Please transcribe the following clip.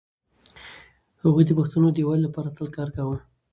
هغوی د پښتنو د يووالي لپاره تل کار کاوه.